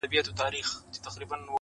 • کورنۍ پرېکړه کوي په وېره,